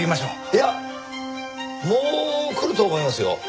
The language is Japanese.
いやもう来ると思いますよ。